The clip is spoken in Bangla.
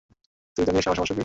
তুই জানিস আমার সমস্যা কি।